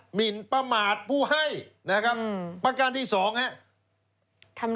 หมินประมาทผู้ให้นะครับประการที่สองครับ